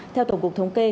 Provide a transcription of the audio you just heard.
theo tổng cục thống kê